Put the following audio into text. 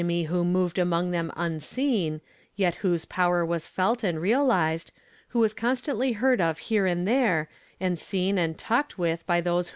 y who moved among them unseen, yet whose power was elt a«d reahzed, who was constantly heard of here and there, and seen and talked with by those ho.